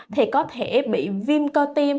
thì có thể bị viêm co tim